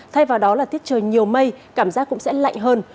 thay vào đó là thiết trời nhiều mây cảm giác cũng sẽ lạnh hơn